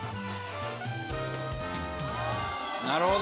「なるほど！」